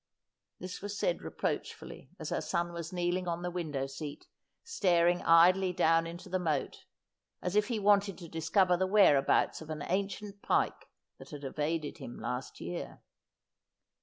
This was said reproachfully, as her son Avas kneeling on the window seat staring idly down into the moat, as if he wanted to discover the whereabouts of an ancient pike that had evaded him last year.